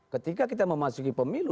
ketika kita memasuki pemilu